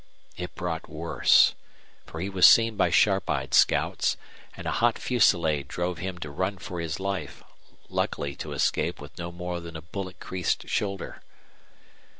It brought worse, for he was seen by sharp eyed scouts, and a hot fusillade drove him to run for his life, luckily to escape with no more than a bullet creased shoulder.